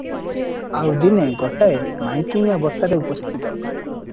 ଆଉ ଦିନେ ଗୋଟାଏ ମାଇକିନିଆ ବସାରେ ଉପସ୍ଥିତ ।